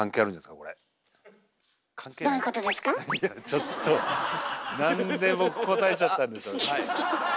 ちょっとなんで僕答えちゃったんでしょうね。